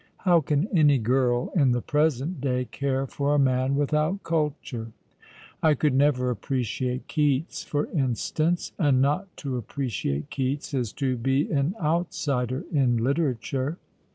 How can any girl in the present day care for a man without culture ? I could never appre ciate Keats, for instance ; and not to apiDreciate Koats is to be an outsider in literature."